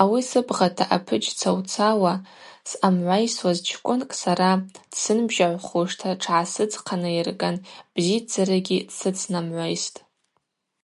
Ауи сыбгъата апыджь цауцауа съамгӏвайсуаз чкӏвынкӏ сара дсынбжьагӏвхушта тшгӏасыдзхъанайырган бзидздзарагьи дсыцнамгӏвайстӏ.